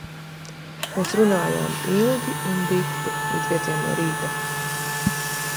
Mēs runājām ilgi un dikti, līdz pieciem no rīta.